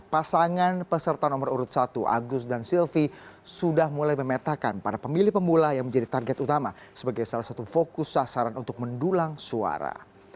pasangan peserta nomor urut satu agus dan silvi sudah mulai memetakan para pemilih pemula yang menjadi target utama sebagai salah satu fokus sasaran untuk mendulang suara